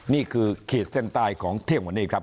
ขีดเส้นใต้ของเที่ยงวันนี้ครับ